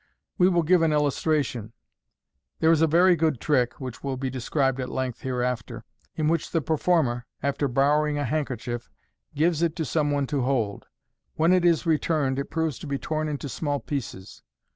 We will give an illustration. There is a very good trick (which will be de scribed at length hereafter) in which the performer, after borrowing a handkerchief, gives it to some one to hold. When it is returned, it proves to be torn into small pieces.